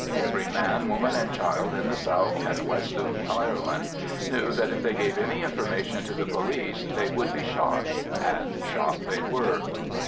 Every man, woman, and child in the south and west of Ireland knew that if they gave any information to the police they would be shot, and shot they were.